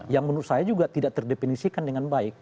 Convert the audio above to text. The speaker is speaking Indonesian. yang menurut saya juga tidak terdefinisikan dengan baik